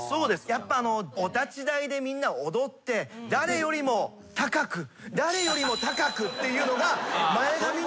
やっぱお立ち台でみんな踊って誰よりも高く誰よりも高くっていうのが前髪にも出てきた。